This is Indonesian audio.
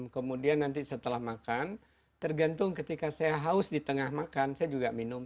kemudian nanti setelah makan tergantung ketika saya haus di tengah makan saya juga minum